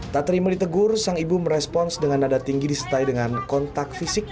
tak terima ditegur sang ibu merespons dengan nada tinggi disertai dengan kontak fisik